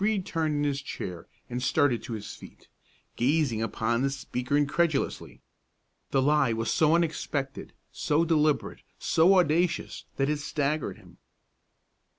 ] Brede turned in his chair and started to his feet, gazing upon the speaker incredulously. The lie was so unexpected, so deliberate, so audacious, that it staggered him.